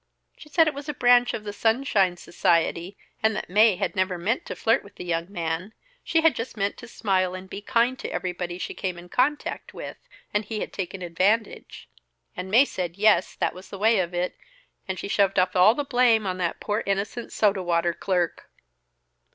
She said it was a branch of the Sunshine Society, and that Mae had never meant to flirt with the young man. She had just meant to smile and be kind to everybody she came in contact with, and he had taken advantage. And Mae said, yes, that was the way of it, and she shoved off all the blame on that poor innocent soda water clerk."